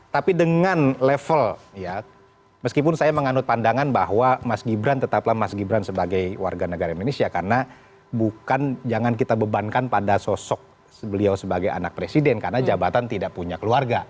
tapi dengan level ya meskipun saya menganut pandangan bahwa mas gibran tetaplah mas gibran sebagai warga negara indonesia karena bukan jangan kita bebankan pada sosok beliau sebagai anak presiden karena jabatan tidak punya keluarga